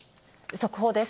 速報です。